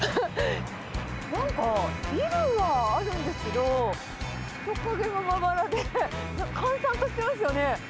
なんかビルはあるんですけど、人影がまばらで、閑散としてますよね。